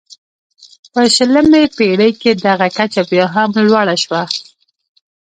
په شلمې پېړۍ کې دغه کچه بیا هم لوړه شوه.